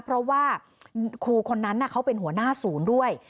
เพราะว่าครูคนนั้นเขาเป็นหัวหน้าศูนย์ด้วย